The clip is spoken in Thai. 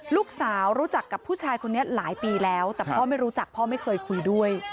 ลูกสาวรู้จักกับผู้ชายคนนี้หลายปีแล้วแต่พ่อไม่รู้จักพ่อไม่เคยคุยด้วย